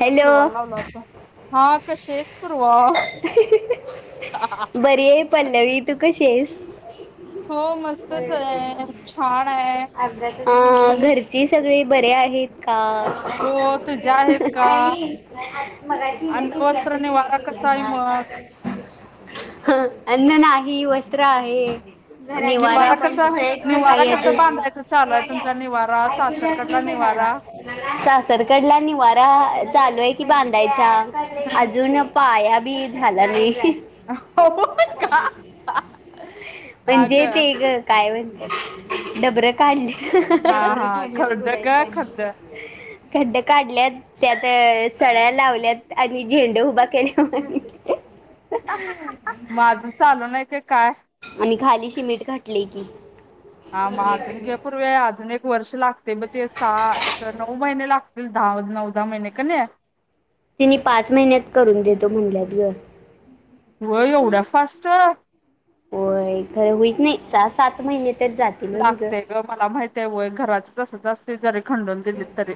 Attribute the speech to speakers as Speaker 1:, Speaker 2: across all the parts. Speaker 1: त्या पूर्वाला लावला होता, हा कशी आहेस पूर्वा
Speaker 2: बरी आहे. पल्लवी तू कशी आहेस?
Speaker 1: हो मस्तचे, छान आहे.
Speaker 2: हो घरची सगळी बरी आहेत का?
Speaker 1: हो तुझ्या आहेत का?
Speaker 2: नाही, मगाशी हिने केलती
Speaker 1: अन्नवस्त्र
Speaker 2: आता तिने
Speaker 1: निवारा कसा आहे
Speaker 2: केल्या
Speaker 1: मग?
Speaker 2: हं, अन्न नाही वस्त्र आहे.
Speaker 1: निवारा कसा, निवारा कसं बांधायच चालूय तुमचा निवारा सासर कड ला निवारा
Speaker 2: सासरकडला निवारा चालू आहे की बांधायचा अजून पाया बी झाला नाही
Speaker 1: होय का? का ग?
Speaker 2: म्हणजे ते ग काय म्हणत्यात की डबरं काढल्यात,
Speaker 1: हा
Speaker 2: डबरं
Speaker 1: हा
Speaker 2: काढल्यात
Speaker 1: खरड ग
Speaker 2: पुरायचाय.
Speaker 1: खरड.
Speaker 2: खड्ड्यात काढल्यात त्यातच सळ्या लावल्यात आणि झेंड उभा केल्यावाणी
Speaker 1: म अजून चालू नाही का काय?
Speaker 2: आणि खाली सिमेंट घातले की.
Speaker 1: हा महाजून घेप पूर वेळ अजून एक वर्ष लागते ब ते सहा एक, नऊ महिने लागतील दहा-नऊ दहा महिने की नाही
Speaker 2: त्यांनी पाच महिन्यात करून देतो म्हणल्यात ग.
Speaker 1: होय एवढ्या फास्ट
Speaker 2: होय खरं होईत नाही सहा-सात महिने तर जातील [unintelligible] नि ग.
Speaker 1: लागते ग मला माहिती आहे व्हयं घराच तसंच असतंय जरी खंडून दिलीत तरी.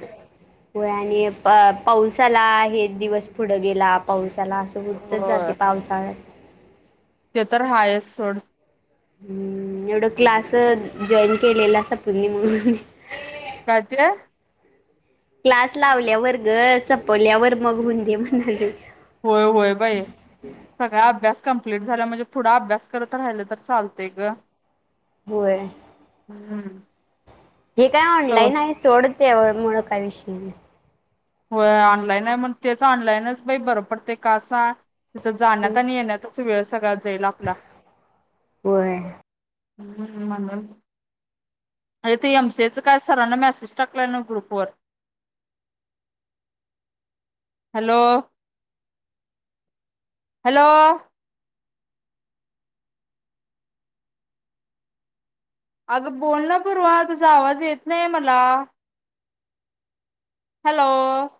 Speaker 2: होय आणि, प-पाऊस आला एक दिवस पुढं गेला पाऊस आला असं. तरं उत्तच जाते
Speaker 1: होय
Speaker 2: पावसाळ्यात
Speaker 1: ते तर आहेच सोड.
Speaker 2: हम्म, एवढं क्लासं जॉईन केलेला सपुनी म्हणून
Speaker 1: काय ते?
Speaker 2: क्लास लावल्यावर ग सपवल्यावर मग होऊन दे म्हणालोय.
Speaker 1: होय होय बाई. सगळा अभ्यास कंप्लीट झाला म्हणजे पुढं अभ्यास करत राहिलं तर चालतंय ग.
Speaker 2: होय.
Speaker 1: हम्म.
Speaker 2: हे काय
Speaker 1: तर
Speaker 2: ऑनलाईन आहे सोड त्यामुळं काय विषय नाही.
Speaker 1: होय ऑनलाईन आहे म्हणून तेच ऑनलाईनच बरं पडते का सांग, तिथं जाण्यात आणि येण्यात चं वेळ सगळा जाईल आपला.
Speaker 2: होय.
Speaker 1: म्हणून अरं ते एमसीएचं काय सरांना मेसेज टाकलंय ना ग्रुप वर. Hello, hello? अगं बोल ना पूर्वा तुझा आवाज येत नाहीये मला? हॅलो